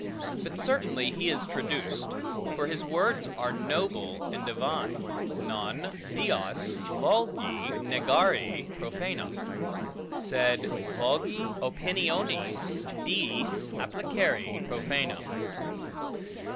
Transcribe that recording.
But certainly he is traduced; for his words are noble and divine: Non deos vulgi negare profanum; sed vulgi opiniones diis applicare profanum.